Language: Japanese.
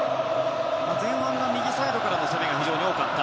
前半は右サイドからの攻めが非常に多かった。